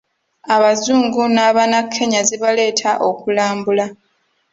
Abazungu n'Abanakenya zibaleeta okulambula.